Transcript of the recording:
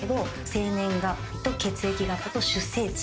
生年月日と血液型と出生地。